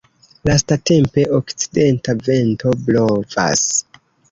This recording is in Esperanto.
Lastatempe okcidenta vento blovas.